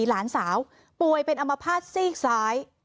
หลานสาวปวดเป็นอัมภาษณ์ซีอิกสาย